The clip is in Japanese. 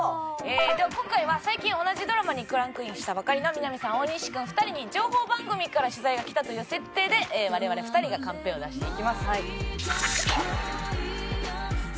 では今回は最近同じドラマにクランクインしたばかりのみな実さん大西君２人に情報番組から取材が来たという設定で我々２人がカンペを出していきます。